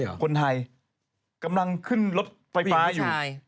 พวกเขากำลังขึ้นรถไฟฟ้าอยู่